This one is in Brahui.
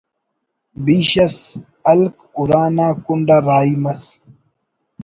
بیش اس ہلک اُرا نا کنڈ آ رائی مس